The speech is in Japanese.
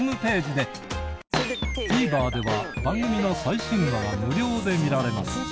ＴＶｅｒでは番組の最新話が無料で見られます